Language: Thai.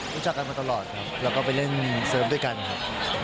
รู้จักกันมาตลอดครับแล้วก็ไปเล่นเสิร์ฟด้วยกันครับ